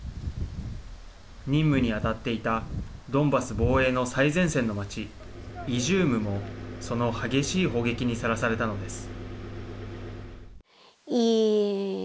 任務に当たっていたドンバス防衛の最前線の町イジュームも、その激しい砲撃にさらされたのです。